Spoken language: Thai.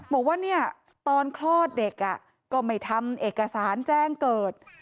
บอกว่าเนี่ยตอนคลอดเด็กก็ไม่ทำเอกสารแจ้งเกิด